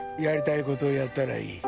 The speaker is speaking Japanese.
やりたいことやったらいい。